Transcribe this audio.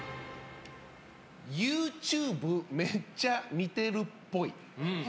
ＹｏｕＴｕｂｅめっちゃ見てるっぽい。